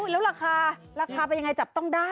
แล้วราคาไปยังไงต้องได้